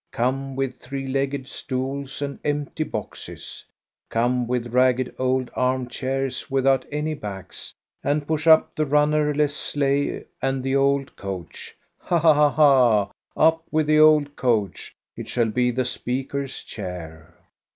Come with three legged stools ^ CHRISTMAS EVE 35 and empty boxes ! Come with ragged old arm chairs without any backs, and push up the runner less sleigh and the old coach! Ha, ha, ha, up with the old coach; it shall be the speaker's chair!